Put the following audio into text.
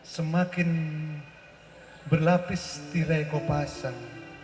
semakin berlapis tirekopasan